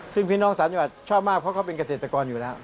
ซึ่งพี่น้องสามจังหวัดชอบมากเพราะเขาเป็นเกษตรกรอยู่แล้ว